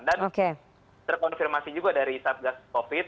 dan terkonfirmasi juga dari satgas covid